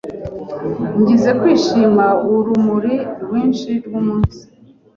Nigeze kwishimira urumuri rwinshi rwumunsi